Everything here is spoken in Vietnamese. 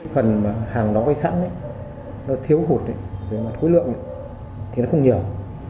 phần hàng đó gói sẵn nó thiếu hụt về mặt khối lượng thì nó không nhiều